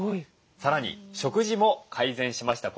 さらに食事も改善しました。